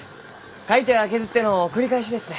描いては削っての繰り返しですね。